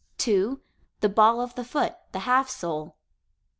2, the ball of the foot (the half sole).